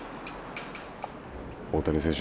大谷選手